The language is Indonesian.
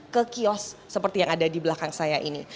ke kios seperti yang ada di belakang saya ini